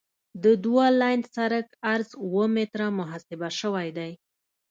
د دوه لاین سرک عرض اوه متره محاسبه شوی دی